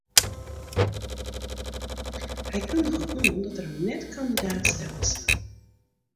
Hy kundige oan dat er him net kandidaat stelle sil.